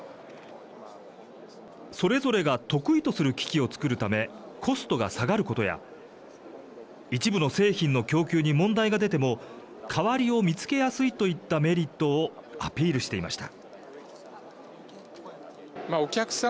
それぞれが得意とする機器を作るためコストが下がることや一部の製品の供給に問題が出ても代わりを見つけやすいといったメリットをアピールしていました。